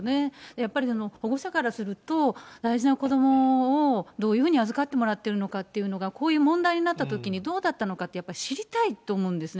やっぱり保護者からすると、大事な子どもをどういうふうに預かってもらってるのかっていうのがこういう問題になったときに、どうだったのかって、やっぱり知りたいと思うんですね。